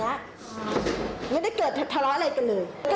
ไม่ได้เกิดทะเลาะอะไรกันเลย